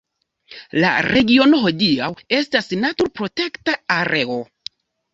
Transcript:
La regiono hodiaŭ estas naturprotekta areo.